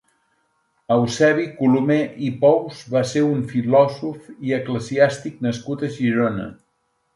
Eusebi Colomer i Pous va ser un filòsof i eclesiàstic nascut a Girona.